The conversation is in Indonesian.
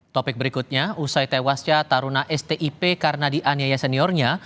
topik berikutnya usai tewasnya taruna stip karena dianiaya seniornya